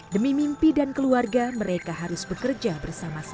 demi mimpi dan keluarga mereka harus bekerja bersama sama